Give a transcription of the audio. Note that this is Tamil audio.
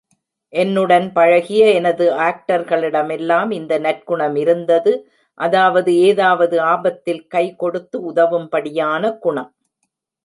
என்னுடன் பழகிய எனது ஆக்டர்களிடமெல்லாம் இந்த நற்குணமிருந்தது அதாவது, ஏதாவது ஆபத்தில் கை கொடுத்து உதவும்படியான குணம்.